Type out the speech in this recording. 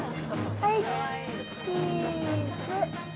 はい、チーズ。